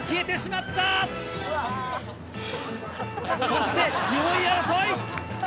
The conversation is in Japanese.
そして４位争い。